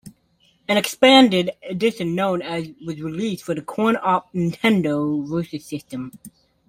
An expanded edition known as was released for the coin-op Nintendo Versus System.